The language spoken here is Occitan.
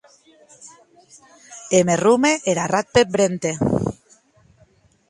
E me rome er arrat peth vrente.